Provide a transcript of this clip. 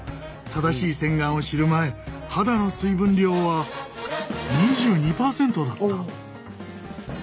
正しい洗顔を知る前肌の水分量は２２％だった。